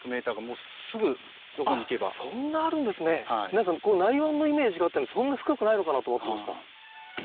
なんか内湾のイメージがあったんでそんな深くないのかなと思ってました。